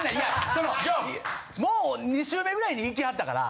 そのもう２周目ぐらいにいきはったから。